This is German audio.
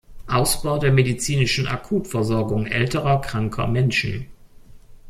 Ausbau der medizinischen Akutversorgung älterer kranker Menschen.